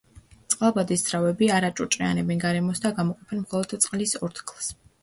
წყალბადის ძრავები არ აჭუჭყიანებენ გარემოს და გამოყოფენ მხოლოდ წყლის ორთქლს.